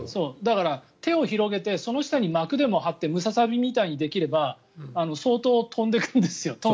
だから、手を広げてその下に膜を張ってムササビみたいにできれば相当、飛んでいくんですよ。